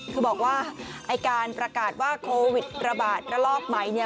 คือบอกว่าไอ้การประกาศว่าโควิดระบาดระลอกใหม่เนี่ย